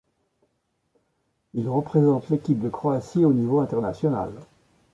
Il représente l'équipe de Croatie au niveau international.